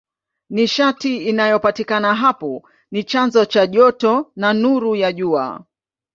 Nishati inayopatikana hapo ni chanzo cha joto na nuru ya Jua.